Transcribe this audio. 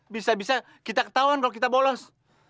bisa bisa kita ketahuan kalau kita bolos